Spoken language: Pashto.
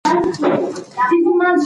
که علم په پښتو وي نو زده کړه به آسانه وي.